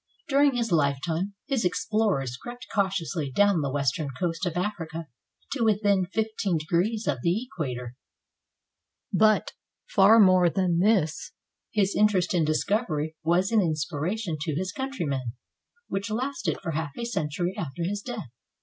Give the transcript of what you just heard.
During his lifetime, his explorers crept cautiously down the western coast of Africa to within fifteen degrees of the equator; but, far more than this, his interest in discovery was an inspiration to his coimtrymen, which lasted for half a century after his death.